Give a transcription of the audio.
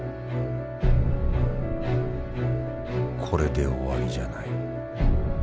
これで終わりじゃない。